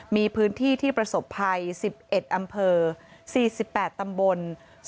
มีพื้นที่ที่ประสบภัย๑๑อำเภอ๔๘ตำบล